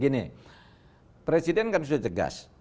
gini presiden kan sudah cegas